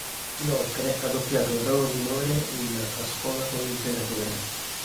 Inoltre, ha doppiato un ruolo minore in "A scuola con l'imperatore".